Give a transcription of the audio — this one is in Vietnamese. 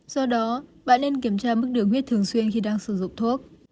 do đó bạn nên kiểm tra mức đường huyết thường xuyên khi đang sử dụng thuốc